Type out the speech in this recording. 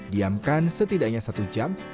diamkan setidaknya satu jam